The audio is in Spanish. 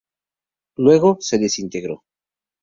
Luego, se desintegró.